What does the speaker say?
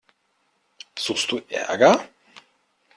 Suchst du Ärger?